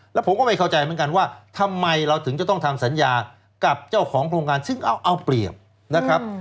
แล้วผมก็ไม่เข้าใจเหมือนกันว่าทำไมเราถึงจะต้องทำสัญญากับเจ้าของโครงการซึ่งเอาเปรียบนะครับ